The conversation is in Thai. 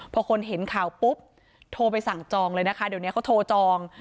พอคนเห็นข่าวปุ๊บโทรไปสั่งจองเลยนะคะเดี๋ยวนี้เขาโทรจอง